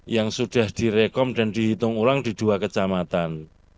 yang sudah direkom dan dihitung ulang di dua kecamatan